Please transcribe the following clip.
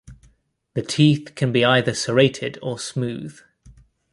The teeth can be either serrated or smooth.